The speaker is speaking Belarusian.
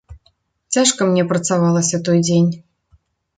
Цяжка мне працавалася той дзень.